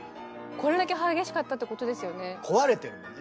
これだけ激しかったってことですよね。